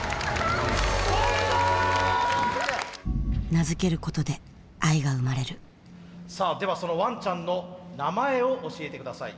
名付けることで愛が生まれるさあではそのワンちゃんの名前を教えて下さい。